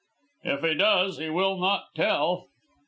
"If he does he will not tell."